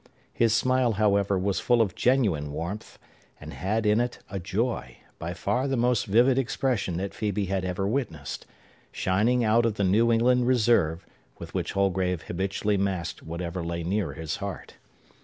His smile, however, was full of genuine warmth, and had in it a joy, by far the most vivid expression that Phœbe had ever witnessed, shining out of the New England reserve with which Holgrave habitually masked whatever lay near his heart.